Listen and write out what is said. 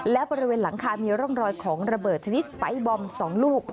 และบริเวณหลังคามีร่องรอยของระเบิดชนิดไป๊บอม๒ลูก